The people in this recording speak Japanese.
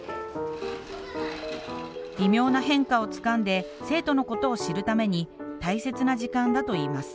微妙な変化をつかんで生徒のことを知るために大切な時間だといいます。